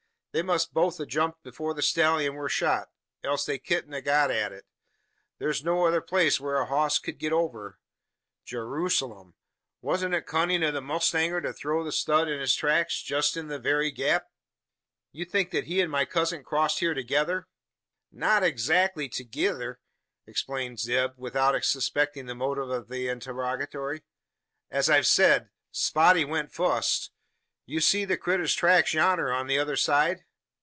They must both a jumped afore the stellyun war shot; else they kedn't a got at it. Thur's no other place whar a hoss ked go over. Geeroozalem! wa'n't it cunnin' o' the mowstanger to throw the stud in his tracks, jest in the very gap?" "You think that he and my cousin crossed here together?" "Not adzackly thegither," explained Zeb, without suspecting the motive of the interrogatory. "As I've sayed, Spotty went fust. You see the critter's tracks yonner on t'other side?"